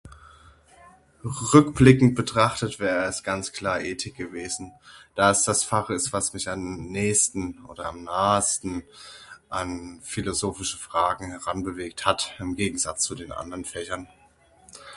Rückblickend betrachtet wär es ganz klar Ethik gewesen, da es das Fach is was mich am nächsten oder am nahesten an philosophische Fragen heran bewegt hat, im Gegensatz zu den anderen Fächern.